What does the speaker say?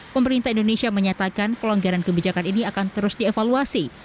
pemerintah indonesia menyatakan pelonggaran kebijakan ini akan terus dievaluasi